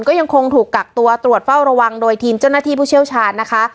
ก็ยังคงถูกกักตัวตรวจเฝ้าระวังโดยทีมเจ้าหน้าที่ผู้เชี่ยวชาญนะคะ